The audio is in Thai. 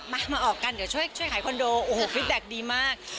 มามาออกกันเดี๋ยวช่วยขายคอนโดโอ้โหฟิตแบ็คดีมาก